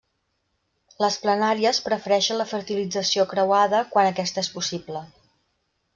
Les planàries prefereixen la fertilització creuada quan aquesta és possible.